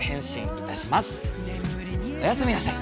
おやすみなさい。